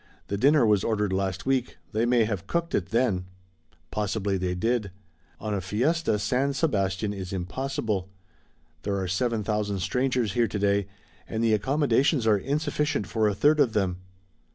The dinner was ordered last week. They may have cooked it then." "Possibly they did. On a fiesta San Sebastian is impossible. There are seven thousand strangers here to day and the accommodations are insufficient for a third of them."